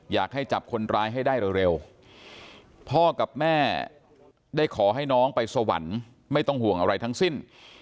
อยากให้จับคนร้ายให้ได้เร็วพ่อกับแม่ได้ขอให้น้องไปสวรรค์ไม่ต้องห่วงอะไรทั้งสิ้น